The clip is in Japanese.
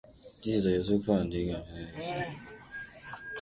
人生とは、予測不可能な出来事の連続ですね。